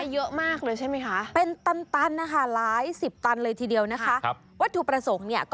เยอะมากเลยใช่ไหมคะเป็นตันนะคะร้าย๑๐ตันเลยทีเดียววัตถุประสงค์เนี่ย